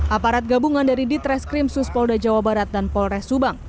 aparat gabungan dari ditreskrim suspolda jawa barat dan polres subang